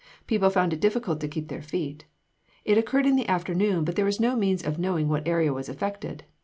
People found it difficult to keep their feet. It occurred in the afternoon but there is no means of knowing what area was affected.